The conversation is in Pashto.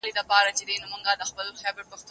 تکړښت د ښوونکي له خوا تنظيم کيږي؟!